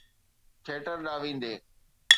Theatre ڏانهن ويندي.